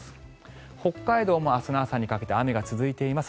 北海道も明日朝にかけて雨が続いています。